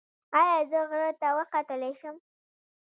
ایا زه غره ته وختلی شم؟